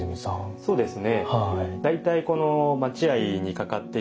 そうですね。